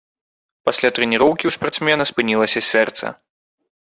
Пасля трэніроўкі ў спартсмена спынілася сэрца.